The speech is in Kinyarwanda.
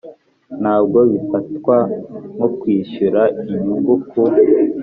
ntabwo bifatwa nko kwishyura inyungu ku